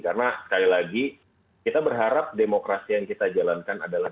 karena sekali lagi kita berharap demokrasi yang kita jalankan adalah